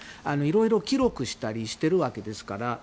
いろいろ記録したりしているわけですから。